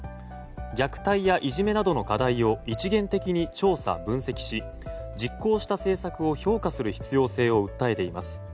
虐待やいじめなどの課題を一元的に調査・分析し実行した政策を評価する必要性を訴えています。